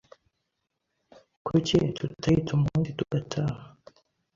Kuki tutayita umunsi tugataha?